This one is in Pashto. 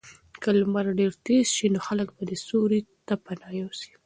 که لمر ډېر تېز شي نو خلک به سیوري ته پناه یوسي.